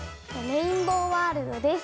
「レインボーワールド」です。